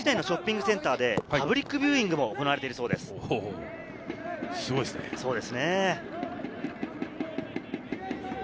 今日は鹿嶋市内のショッピングセンターでパブリックビューイングも行われているそうです。